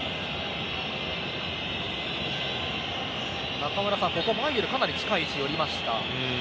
中村さん、マイェルかなり近い位置に下りました。